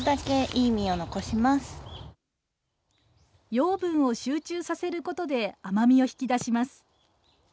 養分を集中させることで、甘みを引き出します。